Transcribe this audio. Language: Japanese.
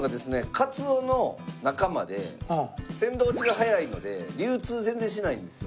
カツオの仲間で鮮度落ちが早いので流通全然しないんですよ。